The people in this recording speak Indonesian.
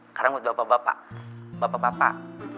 sekarang buat bapak bapak bapak